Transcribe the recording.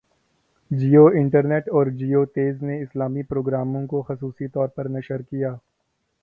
Jio Entertainment اور Geo Tez نے اسلامی پروگراموں کو خصوصی طور پر نشر کیا